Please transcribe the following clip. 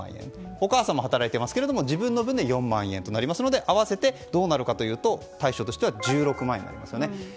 お母さんも働いていますが自分の分で４万円となりますので合わせてどうなるかというと対象としては１６万円になりますよね。